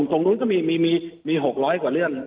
ตรงนู้นก็มี๖๐๐กว่าเรื่อง